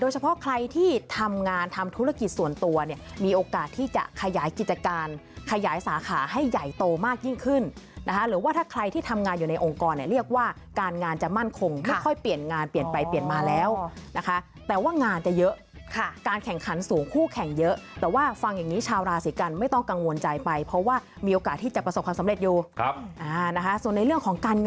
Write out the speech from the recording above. โดยเฉพาะใครที่ทำงานทำธุรกิจส่วนตัวเนี่ยมีโอกาสที่จะขยายกิจการขยายสาขาให้ใหญ่โตมากยิ่งขึ้นนะคะหรือว่าถ้าใครที่ทำงานอยู่ในองค์กรเนี่ยเรียกว่าการงานจะมั่นคงไม่ค่อยเปลี่ยนงานเปลี่ยนไปเปลี่ยนมาแล้วนะคะแต่ว่างานจะเยอะการแข่งขันสูงคู่แข่งเยอะแต่ว่าฟังอย่างนี้ชาวราศิกัณฑ์ไม่ต้องกังวลใจไปเพ